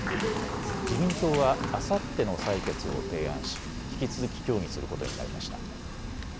自民党はあさっての採決を提案し引き続き協議することになりました。